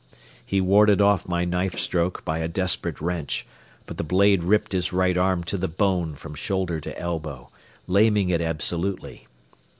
He warded off my knife stroke by a desperate wrench, but the blade ripped his right arm to the bone from shoulder to elbow, laming it absolutely.